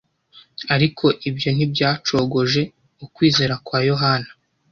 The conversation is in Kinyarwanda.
Ariko ibyo ntibyacogoje ukwizera kwa Yohana.